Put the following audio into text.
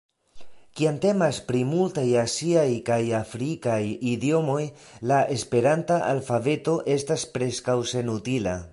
Kiam temas pri multaj aziaj kaj afrikaj idiomoj la esperanta alfabeto estas preskaŭ senutila.